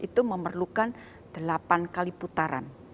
itu memerlukan delapan kali putaran